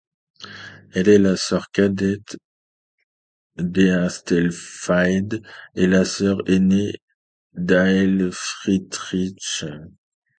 Elle est la sœur cadette d'Æthelflæd et la sœur aînée d'Ælfthryth.